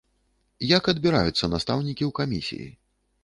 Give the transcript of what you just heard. Як адбіраюцца настаўнікі ў камісіі?